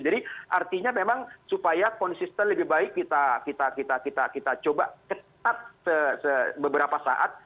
artinya memang supaya konsisten lebih baik kita coba ketat beberapa saat